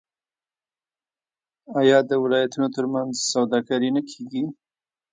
آیا د ولایتونو ترمنځ سوداګري نه کیږي؟